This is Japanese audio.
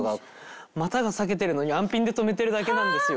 股が裂けてるのに安ピンで留めてるだけなんですよ。